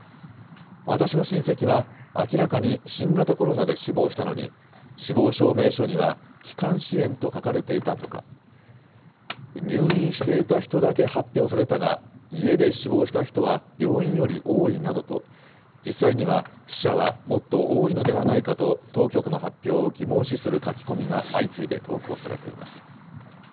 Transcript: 私の親戚は明らかに新型コロナで死亡したのに、死亡証明書には気管支炎と書かれていたとか、入院していた人だけ発表されたが、家で死亡した人は病院より多いなどと、実際には死者はもっと多いのではないかと、当局の発表を疑問視する書き込みが相次いで投稿されています。